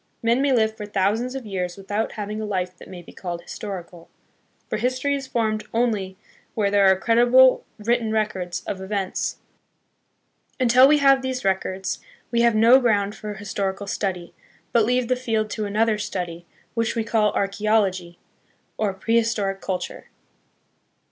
Men may live for thousands of years without having a life that may be called his torical; for history is formed only where there are credible written records of events. Until we have these records, we have no ground for historical study, but leave the field to another study, which we call Archeology, or Pre historic Culture.